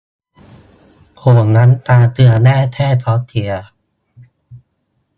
ผงน้ำตาลเกลือแร่ แก้ท้องเสีย